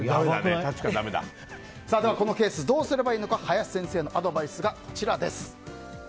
このケースどうすればいいのか、林先生のアドバイスがこちらです。